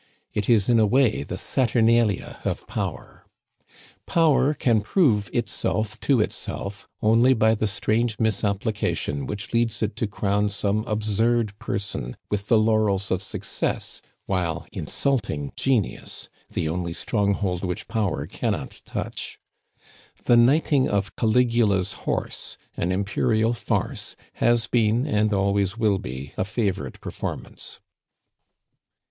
It is in a way the Saturnalia of power. Power can prove itself to itself only by the strange misapplication which leads it to crown some absurd person with the laurels of success while insulting genius the only strong hold which power cannot touch. The knighting of Caligula's horse, an imperial farce, has been, and always will be, a favorite performance.